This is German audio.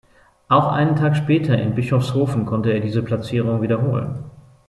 Auch einen Tag später in Bischofshofen konnte er diese Platzierung wiederholen.